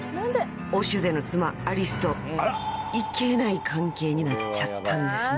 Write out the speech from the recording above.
［オシュデの妻アリスといけない関係になっちゃったんですね］